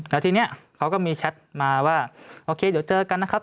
แล้วทีนี้เขาก็มีแชทมาว่าโอเคเดี๋ยวเจอกันนะครับ